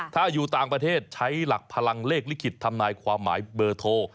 ถ้าอยู่ต่างประเทศใช้หลักพลังเลขลิขิตทำนายความหมายเบอร์โทร